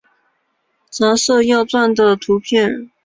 杂色耀鲇的图片